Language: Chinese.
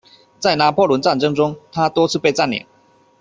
在拿破仑战争中它多次被占领。